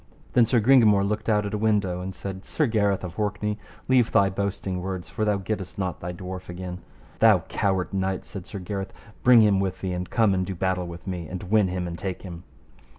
Then Sir Gringamore looked out at a window and said, Sir Gareth of Orkney, leave thy boasting words, for thou gettest not thy dwarf again. Thou coward knight, said Sir Gareth, bring him with thee, and come and do battle with me, and win him and take him.